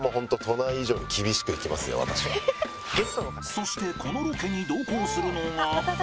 そしてこのロケに同行するのが。